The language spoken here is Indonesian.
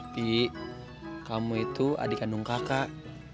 pik kamu itu adik kandung kakak